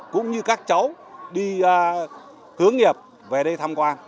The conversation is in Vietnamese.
cũng như các cháu đi hướng nghiệp về đây tham quan